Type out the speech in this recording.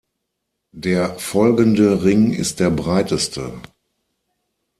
Der folgende Ring ist der breiteste.